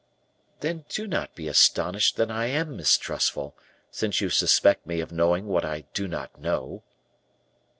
"Then do not be astonished that I am mistrustful, since you suspect me of knowing what I do not know."